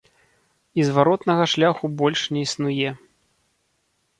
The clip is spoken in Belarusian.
І зваротнага шляху больш не існуе.